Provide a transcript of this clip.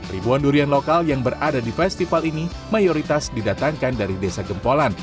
ribuan durian lokal yang berada di festival ini mayoritas didatangkan dari desa gempolan